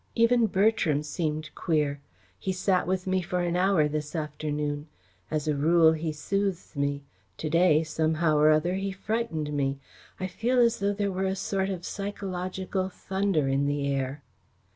Even Bertram seemed queer. He sat with me for an hour this afternoon. As a rule he soothes me. To day, somehow or other, he frightened me. I feel as though there were a sort of psychological thunder in the air."